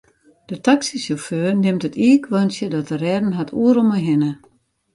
De taksysjauffeur nimt it iikhoarntsje dat er rêden hat oeral mei hinne.